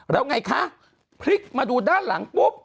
แล้วไงคะพลิกมาดูด้านหลังปุ๊บ